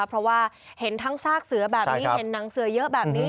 เพราะว่าเห็นทั้งซากเสือแบบนี้เห็นหนังเสือเยอะแบบนี้